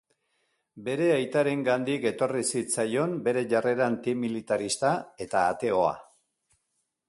Bere aitarengandik etorri zitzaion bere jarrera antimilitarista eta ateoa.